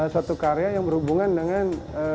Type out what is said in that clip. satu karya yang berhubungan dengan